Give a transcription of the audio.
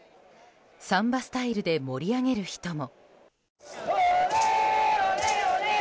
サンバスタイルで盛り上げる人も。